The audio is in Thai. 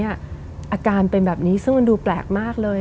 อาการเป็นแบบนี้ซึ่งมันดูแปลกมากเลย